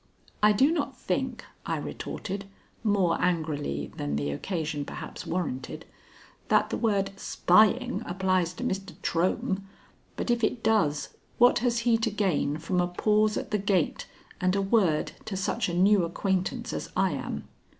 "I do not think," I retorted, more angrily than the occasion perhaps warranted, "that the word spying applies to Mr. Trohm. But if it does, what has he to gain from a pause at the gate and a word to such a new acquaintance as I am?"